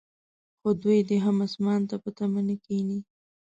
خو دوی دې هم اسمان ته په تمه نه کښیني.